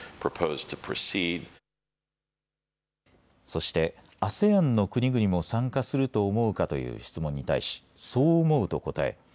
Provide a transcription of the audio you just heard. そしてＡＳＥＡＮの国々も参加すると思うかという質問に対し、そう思うと答え